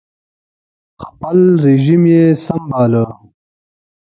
خپل رژیم یې سم باله